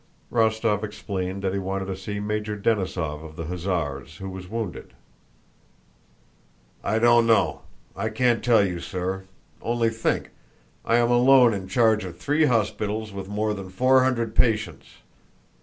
Rostóv explained that he wanted to see Major Denísov of the hussars, who was wounded. "I don't know. I can't tell you, sir. Only think! I am alone in charge of three hospitals with more than four hundred patients!